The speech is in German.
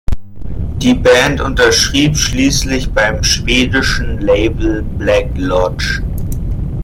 Die Band unterschrieb schließlich beim schwedischen Label "Black Lodge".